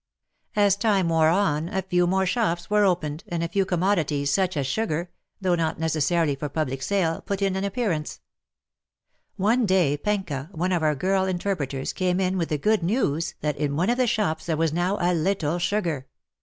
As time wore on a few more shops were opened, and a few commodities such as sugar — though not necessarily for public sale — put in an appearance. One day Pencka, one of our girl interpreters, came in with the good news that in one of the shops there was now a little WAR AND WOMEN 133 sugar !